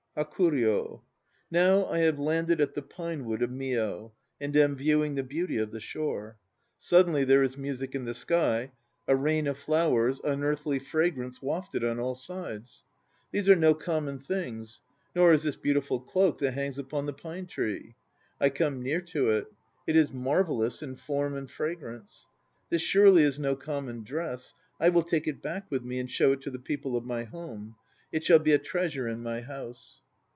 HAKURYd Now I have landed at the pine wood of Mio and am viewing the beauty of the shore. Suddenly there is music in the sky, a rain of flowers, unearthly fragrance wafted on all sides. These are no common things; nor is this beautiful cloak that hangs upon the pine tree. I come near to it. It is marvellous in form and fragrance. This surely is no common dress. I will take it back with me and show it to the people of my home. It shall be a treasure in my house.